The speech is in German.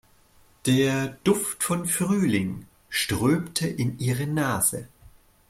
Der Duft von Frühling strömte in ihre Nase.